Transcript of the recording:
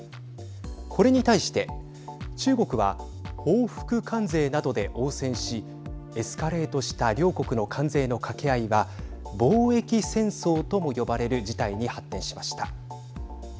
これに対して中国は報復関税などで応戦しエスカレートした両国の関税のかけ合いは貿易戦争とも呼ばれる事態に発展しました。